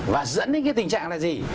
và dẫn đến cái tình trạng là gì